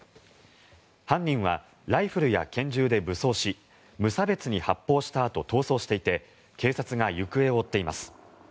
犯人はライフルや拳銃で武装し無差別に発砲したあと逃走していて警察が行方を追っています。